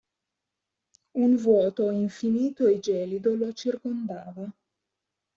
Un vuoto infinito e gelido lo circondava.